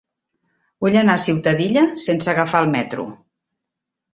Vull anar a Ciutadilla sense agafar el metro.